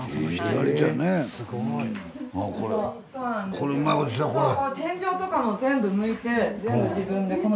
これうまいことしてるこれ。